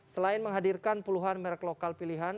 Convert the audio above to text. selain menghadirkan puluhan merek lokal pilihan